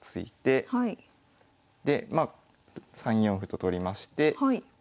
でまあ３四歩と取りまして同銀。